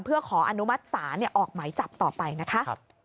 เพื่อขออนุมัติศาลออกหมายจับต่อไปนะคะ